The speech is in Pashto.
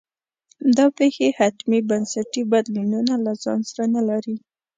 دا پېښې حتمي بنسټي بدلونونه له ځان سره نه لري.